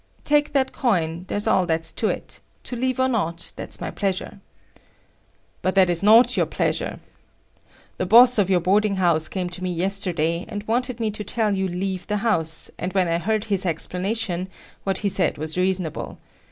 "Take that coin; that's all there is to it. To leave or not,—that's my pleasure." "But that is not your pleasure. The boss of your boarding house came to me yesterday and wanted me to tell you leave the house, and when I heard his explanation, what he said was reasonable.